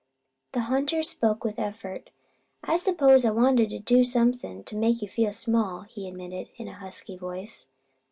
The hunter spoke with an effort. "I suppose I wanted to do something to make you feel small," he admitted, in a husky voice.